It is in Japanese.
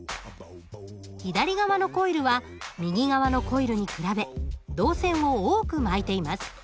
左側のコイルは右側のコイルに比べ導線を多く巻いています。